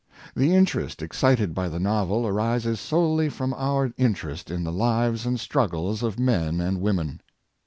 The interest excited by the novel arises solely from our interest in the lives and struggles of men and women.